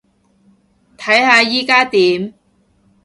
睇下依加點